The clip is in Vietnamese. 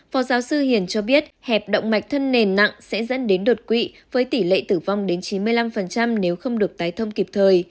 phó giáo sư hiền cho biết hẹp động mạch thân nền nặng sẽ dẫn đến đột quỵ với tỷ lệ tử vong đến chín mươi năm nếu không được tái thông kịp thời